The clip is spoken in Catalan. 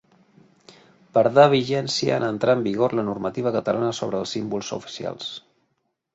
Perdé vigència en entrar en vigor la normativa catalana sobre els símbols oficials.